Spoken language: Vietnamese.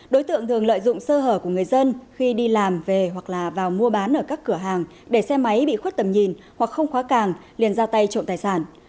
đối tượng thường lợi dụng sơ hở của người dân khi đi làm về hoặc là vào mua bán ở các cửa hàng để xe máy bị khuất tầm nhìn hoặc không khóa càng liền ra tay trộm tài sản